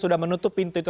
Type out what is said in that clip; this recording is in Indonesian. sudah menutup pintu itu